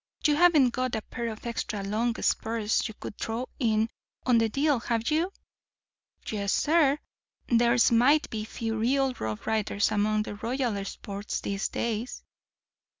You haven't got a pair of extra long spurs you could throw in on the deal, have you?' Yes, sir; there's mighty few real rough riders among the royal sports these days."